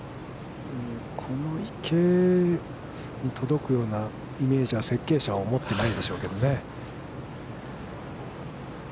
この池に届くようなイメージは、設計者は思っていないでしょうけどね。